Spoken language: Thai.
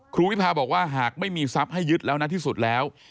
วิพาบอกว่าหากไม่มีทรัพย์ให้ยึดแล้วนะที่สุดแล้ว